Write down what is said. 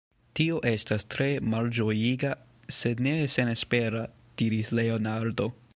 Tio estas tre malĝojiga, sed ne senespera, diris Leonardo.